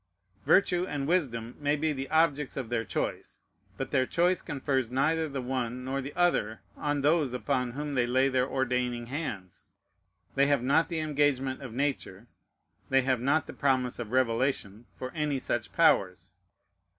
Virtue and wisdom may be the objects of their choice; but their choice confers neither the one nor the other on those upon whom they lay their ordaining hands. They have not the engagement of Nature, they have not the promise of Revelation for any such powers.